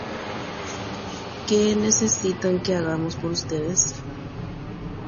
Mba'éiko peikotevẽ rojapo penderehe.